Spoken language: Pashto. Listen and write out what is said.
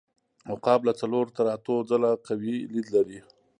عقاب له څلور تر اتو ځله قوي لید لري.